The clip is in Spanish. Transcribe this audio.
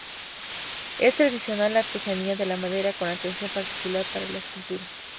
Es tradicional la artesanía de la madera, con atención particular para la escultura.